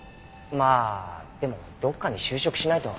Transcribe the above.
まあでもどっかに就職しないと。